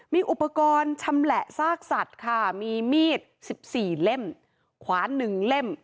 มีอุปกรณ์ชำแหละซากสัตว์ค่ะมีมีด๑๔เล่มขวาน๑เล่ม